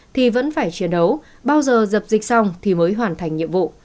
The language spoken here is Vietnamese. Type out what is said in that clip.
thì vẫn phải chiến đấu bao giờ dập dịch xong thì mới hoàn thành nhiệm vụ